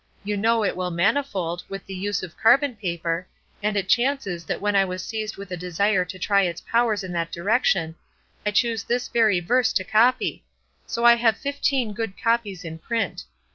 You know it will manifold, with the use of carbon paper, and it chances that when I was seized with a desire to try its powers in that direction I choose this very verse to copy; so I have fifteen good copies in print.